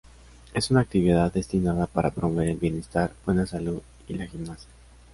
Es una actividad destinada para promover el bienestar, buena salud, y la gimnasia.